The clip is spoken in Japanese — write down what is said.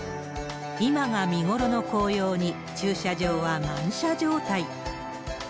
今が見頃の紅葉に、駐車場は満車状態。